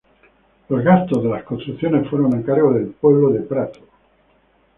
Los gastos de las construcciones fueron a cargo del pueblo de Prato.